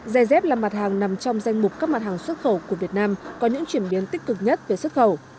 dè dép là mặt hàng nằm trong danh mục các mặt hàng xuất khẩu của việt nam có những chuyển biến tích cực nhất về xuất khẩu